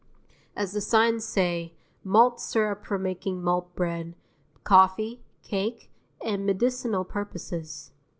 As the signs say: "Malt syrup for making malt bread, coffee, cake, and medicinal purposes."